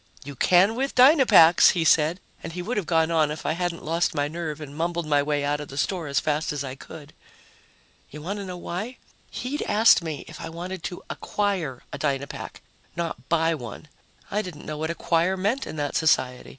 "You can with Dynapacks," he said, and he would have gone on if I hadn't lost my nerve and mumbled my way out of the store as fast as I could. You want to know why? He'd asked me if I wanted to "acquire" a Dynapack, not buy one. I didn't know what "acquire" meant in that society.